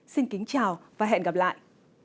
xin kính chào và hẹn gặp lại